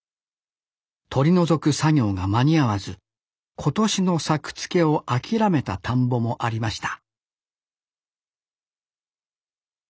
取り除く作業が間に合わず今年の作付けを諦めた田んぼもありました